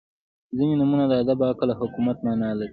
• ځینې نومونه د ادب، عقل او حکمت معنا لري.